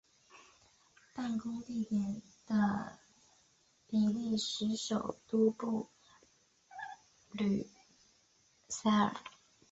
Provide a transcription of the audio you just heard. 办公地点在比利时首都布鲁塞尔。